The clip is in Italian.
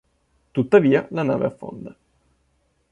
Tuttavia, la nave affonda.